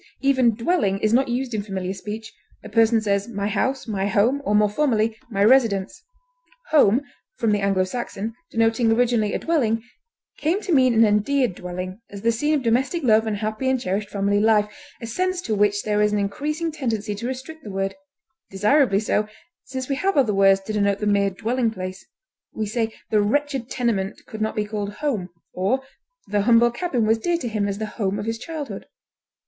Even dwelling is not used in familiar speech; a person says "my house," "my home," or more formally "my residence." Home, from the Anglo Saxon, denoting originally a dwelling, came to mean an endeared dwelling as the scene of domestic love and happy and cherished family life, a sense to which there is an increasing tendency to restrict the word desirably so, since we have other words to denote the mere dwelling place; we say "The wretched tenement could not be called home," or "The humble cabin was dear to him as the home of his childhood."